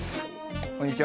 こんにちは。